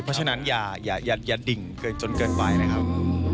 เพราะฉะนั้นอย่าดิ่งจนเกินไปนะครับ